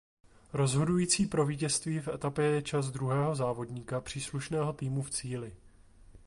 Rozhodující pro vítězství v etapě je čas druhého závodníka příslušného týmu v cíli.